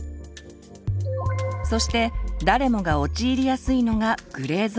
そして誰もが陥りやすいのがグレーゾーンです。